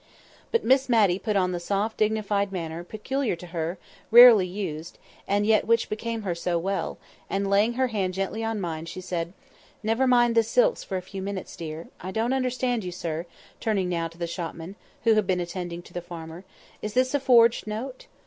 But Miss Matty put on the soft dignified manner, peculiar to her, rarely used, and yet which became her so well, and laying her hand gently on mine, she said— "Never mind the silks for a few minutes, dear. I don't understand you, sir," turning now to the shopman, who had been attending to the farmer. "Is this a forged note?"